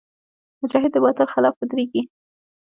مجاهد د باطل خلاف ودریږي.